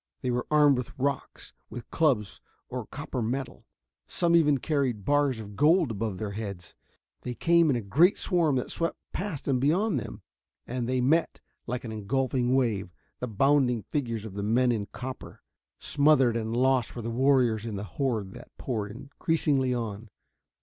They were armed with rocks, with clubs or copper metal some even carried bars of gold above their heads. They came in a great swarm that swept past and beyond them. And they met, like an engulfing wave, the bounding figures of the men in copper. Smothered and lost were the warriors in the horde that poured increasingly on.